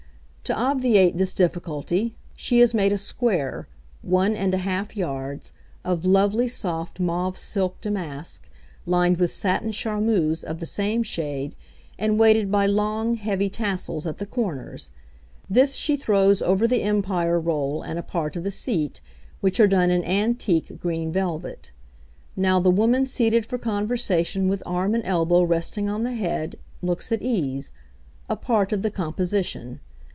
To obviate this difficulty, she has had made a square (one and a half yards), of lovely soft mauve silk damask, lined with satin charmeuse of the same shade, and weighted by long, heavy tassels, at the corners; this she throws over the Empire roll and a part of the seat, which are done in antique green velvet. Now the woman seated for conversation with arm and elbow resting on the head, looks at ease, a part of the composition.